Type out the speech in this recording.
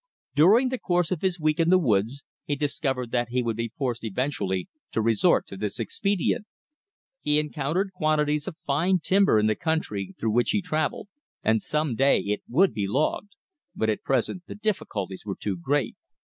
During the course of his week in the woods, he discovered that he would be forced eventually to resort to this expedient. He encountered quantities of fine timber in the country through which he travelled, and some day it would be logged, but at present the difficulties were too great.